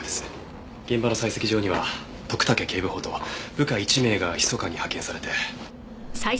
現場の採石場には徳武警部補と部下１名がひそかに派遣されて。